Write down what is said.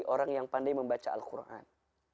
orang yang pandai membaca al quran